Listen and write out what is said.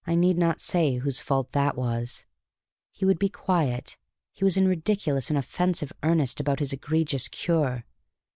I need not say whose fault that was. He would be quiet; he was in ridiculous and offensive earnest about his egregious Cure.